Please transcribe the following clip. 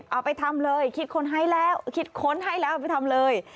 เอาไปทำเลยคิดค้นให้แล้วคิดค้นให้แล้วเอาไปทำเลย